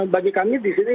bagi kami di sini